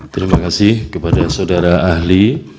terima kasih kepada saudara ahli